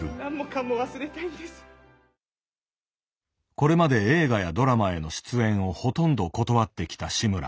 これまで映画やドラマへの出演をほとんど断ってきた志村。